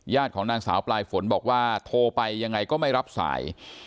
ของนางสาวปลายฝนบอกว่าโทรไปยังไงก็ไม่รับสาย